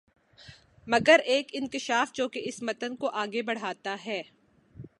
مگر ایک انکشاف جو کہ اس متن کو آگے بڑھاتا ہے